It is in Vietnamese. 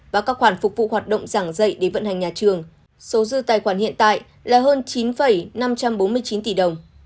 và các khoản phục vụ hoạt động giảng dạy để vận hành nhà trường số dư tài khoản hiện tại là hơn chín năm trăm bốn mươi chín tỷ đồng